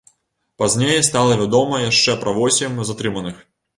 Пазней стала вядома яшчэ пра восем затрыманых.